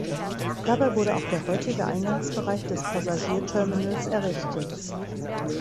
Dabei wurde auch der heutige Eingangsbereich des Passagierterminals errichtet.